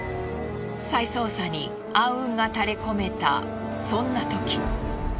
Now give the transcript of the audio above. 再捜査に暗雲が垂れ込めたそんなとき。